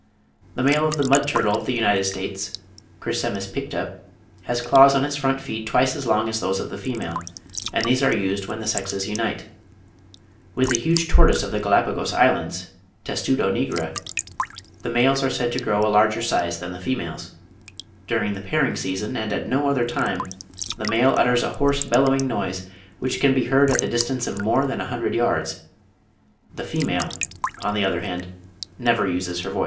The male of the mud turtle of the United States (Chrysemys picta) has claws on its front feet twice as long as those of the female; and these are used when the sexes unite. (51. Mr. C.J. Maynard, 'The American Naturalist,' Dec. 1869, p. 555.) With the huge tortoise of the Galapagos Islands (Testudo nigra) the males are said to grow to a larger size than the females: during the pairing season, and at no other time, the male utters a hoarse bellowing noise, which can be heard at the distance of more than a hundred yards; the female, on the other hand, never uses her voice.